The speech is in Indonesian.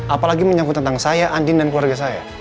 apalagi menyangkut tentang saya andin dan keluarga saya